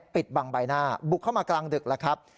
ปิดบังใบหน้าบุกเข้ามากลางดึกแล้วครับ